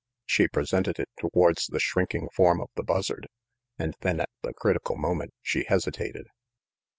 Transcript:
She presented it towards the shrinking form of the Buzzard, and then at the critical moment she hesitated.